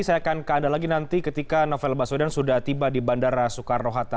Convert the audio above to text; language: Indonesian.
saya akan ke anda lagi nanti ketika novel baswedan sudah tiba di bandara soekarno hatta